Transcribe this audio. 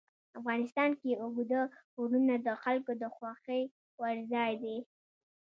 افغانستان کې اوږده غرونه د خلکو د خوښې وړ ځای دی.